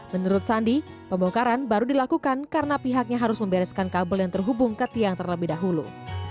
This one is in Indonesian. menurut sandi pembongkaran baru dilakukan karena pihaknya harus membereskan kabel yang terhubung ke tiang terlebih dahulu